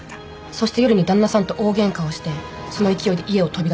そして夜に旦那さんと大ゲンカをしてその勢いで家を飛び出すんです